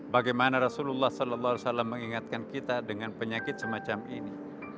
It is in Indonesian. bagaimana rasulullah saw mengingatkan kita dengan penyakit semacam ini